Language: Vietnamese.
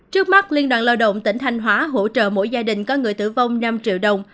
trước mắt liên đoàn lao động tỉnh thanh hóa hỗ trợ mỗi gia đình có người tử vong năm triệu đồng